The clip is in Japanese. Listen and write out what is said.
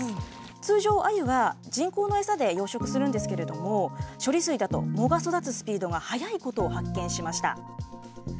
通常、アユは人工の餌で養殖するんですけれども、処理水だと藻が育つスピードが速いことを発見しました。